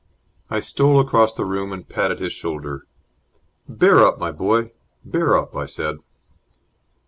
I stole across the room and patted his shoulder. "Bear up, my boy, bear up!" I said.